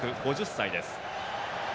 ５０歳です。